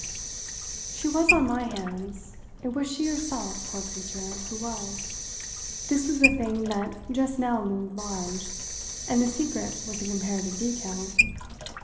She was on my hands it was she herself, poor creature, who was: this was the thing that just now loomed large, and the secret was a comparative detail.